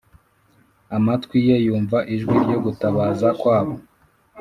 Amatwi ye yumva ijwi ryo gutabaza kwabo